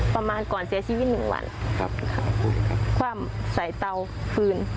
ประมาณก่อนเสียชีวิตหนึ่งวันครับค่ะพูดเลยครับคว่ำใส่เตาฟื้น